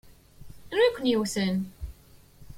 Anwi i ken-yewwten?